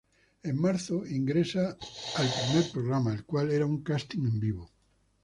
En marzo ingresa al primer programa el cual era un casting en vivo.